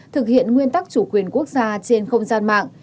thực hiện nguyên tắc chủ quyền quốc gia trên không gian mạng